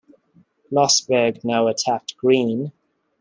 Lossberg now attacked Greene.